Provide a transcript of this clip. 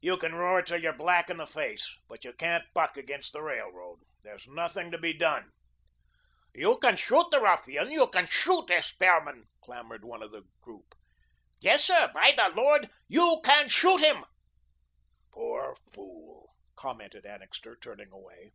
You can roar till you're black in the face, but you can't buck against the Railroad. There's nothing to be done." "You can shoot the ruffian, you can shoot S. Behrman," clamoured one of the group. "Yes, sir; by the Lord, you can shoot him." "Poor fool," commented Annixter, turning away.